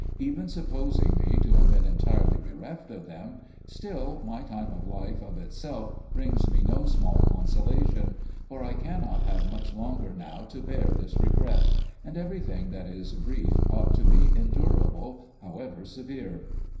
Even supposing me to have been entirely bereft of them, still my time of life of itself brings me no small consolation: for I cannot have much longer now to bear this regret; and everything that is brief ought to be endurable, however severe.